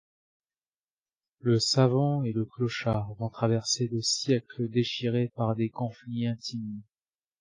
Le savant et le clochard vont traverser le siècle, déchirés par des conflits intimes.